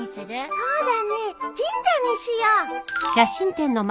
そうだね神社にしよう！